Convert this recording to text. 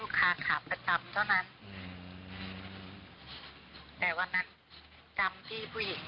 หน้าตาก็ไม่ได้ยิ้มแย้มหน้าตาก็ไม่ได้ยิ้มแย้ม